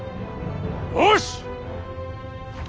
よし！